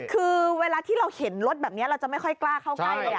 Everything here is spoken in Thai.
คือเวลาที่เราเห็นรถแบบนี้เราจะไม่ค่อยกล้าเข้าใกล้เลย